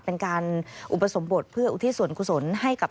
เป็นการอุปสมบทเพื่ออุทิศส่วนกุศลให้กับ